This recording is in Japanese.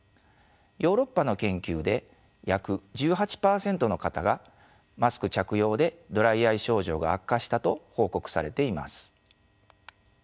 ヨーロッパの研究で約１８％の方がマスク着用でドライアイ症状が悪化したと報告されています。